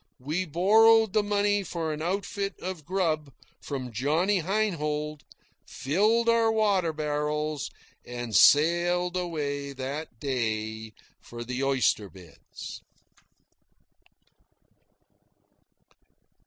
We borrowed the money for an outfit of grub from Johnny Heinhold, filled our water barrels, and sailed away that day for the oyster beds.